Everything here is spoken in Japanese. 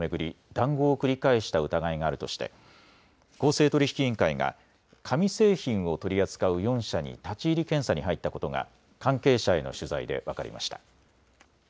談合を繰り返した疑いがあるとして公正取引委員会が紙製品を取り扱う４社に立ち入り検査に入ったことが関係者への取材で分かりました。